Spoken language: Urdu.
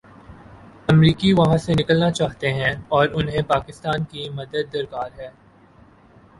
امریکی وہاں سے نکلنا چاہتے ہیں اور انہیں پاکستان کی مدد درکار ہے۔